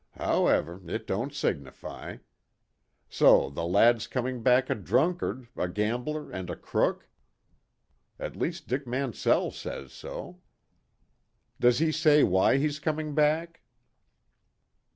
However, it don't signify. So the lad's coming back a drunkard, a gambler and a crook? At least Dick Mansell says so. Does he say why he's coming back?"